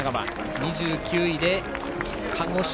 ２９位、鹿児島。